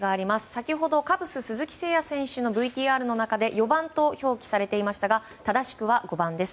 先ほどカブス鈴木誠也選手のＶＴＲの中で４番と表記されていましたが正しくは５番です。